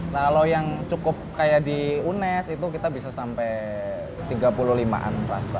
kalau yang cukup kayak di unes itu kita bisa sampai tiga puluh lima an rasa